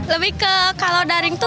lebih ke kalau daring tuh